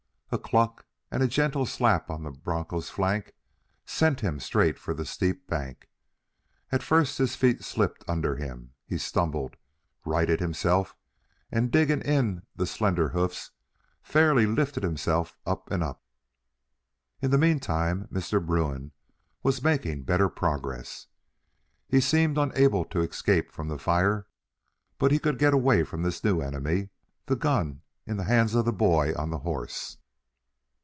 A cluck and a gentle slap on the broncho's flanks sent him straight for the steep bank. At first his feet slipped under him; he stumbled, righted himself and digging in the slender hoofs fairly lifted himself up and up. In the meantime Mr. Bruin was making better progress. He seemed unable to escape from the fire, but he could get away from this new enemy, the gun in the hands of the boy on the horse.